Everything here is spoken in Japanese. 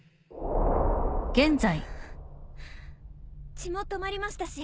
血も止まりましたし